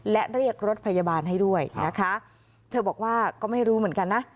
และเรียกรถพยาบาลให้ด้วยนะคะเธอบอกว่าก็ไม่รู้เหมือนกันนะ